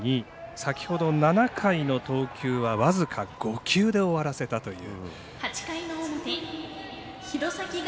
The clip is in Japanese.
先ほど７回の投球は僅か５球で終わらせたという。